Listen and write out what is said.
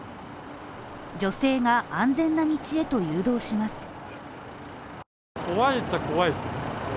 女性が安全な道へと誘導します。